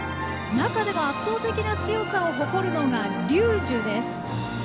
中でも圧倒的な強さを誇るのがリュージュです。